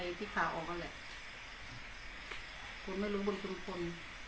หรือพี่ขาออกนั้นแหละคุณไม่รู้บลคูณพล